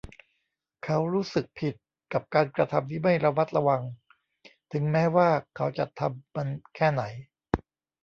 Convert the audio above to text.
เขารู้สึกผิดกับการกระทำที่ไม่ระมัดระวังถึงแม้ว่าเขาจะทำมันแค่ไหน